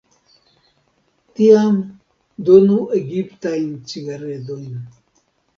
Tiam, donu egiptajn cigaredojn.